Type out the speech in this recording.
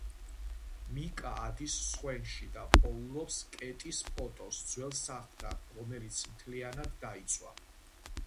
მიკა ადის სხვენში და პოულობს კეტის ფოტოს ძველ სახლთან, რომელიც მთლიანად დაიწვა.